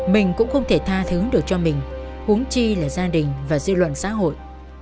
mình cũng không thể tha thứ được cho mình huống chi là gia đình và dư luận xã hội